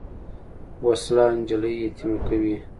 وسله نجلۍ یتیمه کوي